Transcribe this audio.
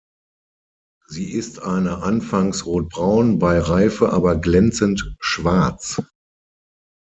Sie ist eine anfangs rot-braun, bei Reife aber glänzend schwarz.